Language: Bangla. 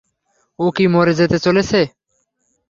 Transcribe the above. ও কি মরে যেতে চলেছে?